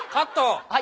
はい。